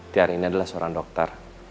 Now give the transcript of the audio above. tiar ini adalah seorang dokter